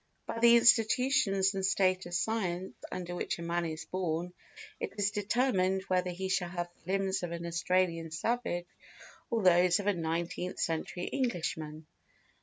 By the institutions and state of science under which a man is born it is determined whether he shall have the limbs of an Australian savage or those of a nineteenth century Englishman.